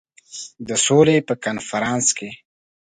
د سولي په کنفرانس کې.